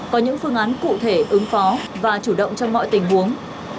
có những phương án cụ thể ứng phó và chủ động trong mọi tình huống